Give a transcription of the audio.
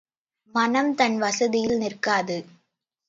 மனம் தன் வசத்தில் நிற்காது.